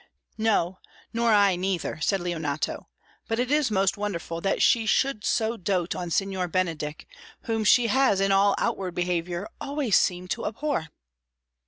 "No, nor I neither," said Leonato; "but it is most wonderful that she should so doat on Signor Benedick, whom she has in all outward behaviour always seemed to abhor."